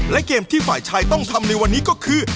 และเกมที่ฝ่ายชายต้องทำในวันนี้ก็คือ